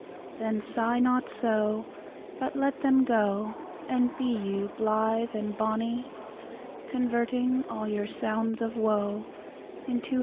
Then sigh not so, But let them go, And be you blithe and bonny, Converting all your sounds of woe Into.